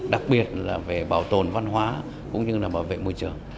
đặc biệt là về bảo tồn văn hóa cũng như là bảo vệ môi trường